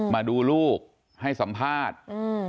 มาดูลูกให้สัมภาษณ์